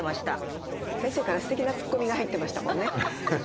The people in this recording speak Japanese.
先生からすてきなツッコミが入ってましたもんね。